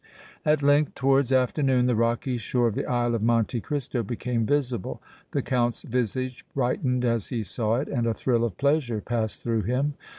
At length, towards afternoon, the rocky shore of the Isle of Monte Cristo became visible. The Count's visage brightened as he saw it and a thrill of pleasure passed through him.